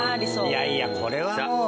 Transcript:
いやいやこれはもう。